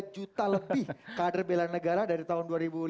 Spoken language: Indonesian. delapan puluh tiga juta lebih kader pilihan negara dari tahun dua ribu lima belas